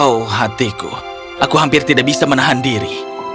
oh hatiku aku hampir tidak bisa menahan diri